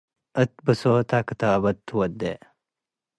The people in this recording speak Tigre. እት ብሶተ ክታበት ትወዴ ።